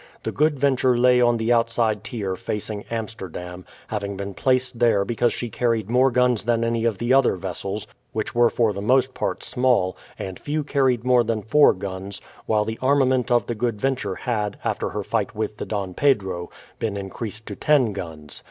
The Good Venture lay on the outside tier facing Amsterdam, having been placed there because she carried more guns than any of the other vessels, which were for the most part small, and few carried more than four guns, while the armament of the Good Venture had, after her fight with the Don Pedro, been increased to ten guns.